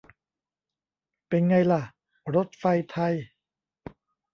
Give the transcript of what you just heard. เป็นไงล่ะ รถไฟไทย